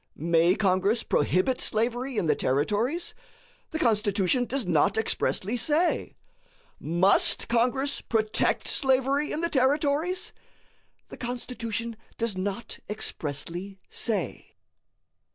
May Congress prohibit slavery in the Territories? The Constitution does not expressly say. MUST Congress protect slavery in the Territories? The Constitution does not expressly say.